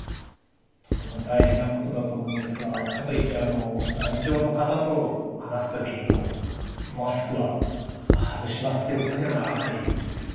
とても大変なことだと思うんですがかといってあの難聴の方と話す時にこうマスクは外しますっていうことにはならないですよね。